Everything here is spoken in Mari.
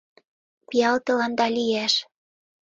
Пиал тыланда лиеш.